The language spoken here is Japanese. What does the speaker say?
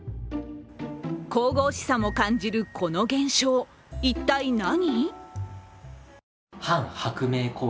神々しさも感じるこの現象、一体何？